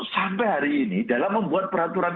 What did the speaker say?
sampai hari ini dalam membuat peraturan